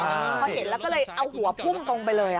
พอเห็นแล้วก็เลยเอาหัวพุ่งตรงไปเลย